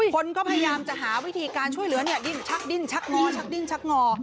คนก็พยายามจะหาวิธีการช่วยเหลือเนี่ยดิ้นชักดิ้นชักงอชักดิ้นชักงอ